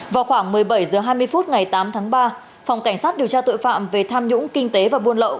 vào khoảng một mươi bảy h hai mươi phút ngày tám tháng ba phòng cảnh sát điều tra tội phạm về tham nhũng kinh tế và buôn lậu